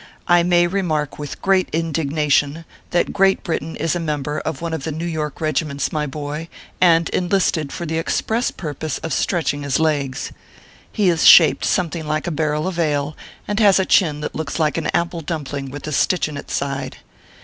I may remark with great indignation, that Great Britain is a mem ber of one of the New York regiments, my boy, and enlisted for the express purpose of stretching his legs. He is shaped something like a barrel of ale, and has a chin that looks like an apple dumpling with a stitch in its side.